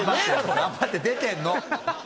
頑張って出てるの。